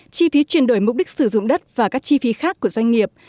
chi phí chuyển đổi mục đích sử dụng đất và các chi phí khác của doanh nghiệp